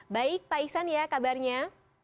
baik pak iksan ya kabarnya